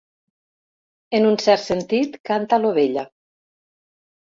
En un cert sentit, canta l'ovella.